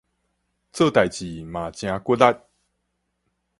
做代誌嘛誠骨力